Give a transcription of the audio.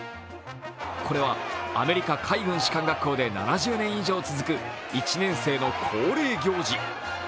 これはアメリカ海軍士官学校で７０年以上続く１年生の恒例行事。